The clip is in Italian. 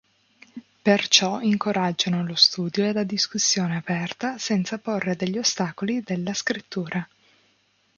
Perciò incoraggiano lo studio e la discussione aperta senza porre degli ostacoli della Scrittura.